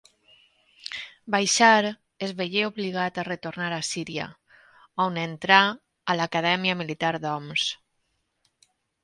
Baixar es veié obligat a retornar a Síria, on entrà a l'acadèmia militar d'Homs.